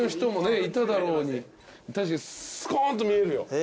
確かにスコーンと見えるよ。